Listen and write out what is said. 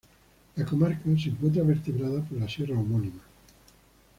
La comarca se encuentra vertebrada por la sierra homónima.